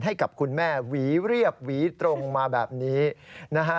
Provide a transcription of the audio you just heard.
ให้กับคุณแม่หวีเรียบหวีตรงมาแบบนี้นะฮะ